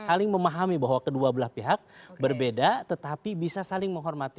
saling memahami bahwa kedua belah pihak berbeda tetapi bisa saling menghormati